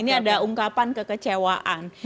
ini ada ungkapan kekecewaan